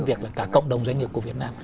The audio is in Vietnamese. việc là cả cộng đồng doanh nghiệp của việt nam